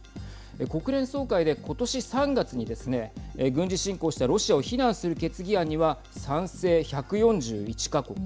国連総会で、今年３月にですね軍事侵攻したロシアを非難する決議案には賛成１４１か国。